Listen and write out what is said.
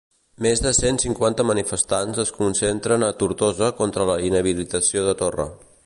Més de cent cinquanta manifestants es concentren a Tortosa contra la inhabilitació de Torra.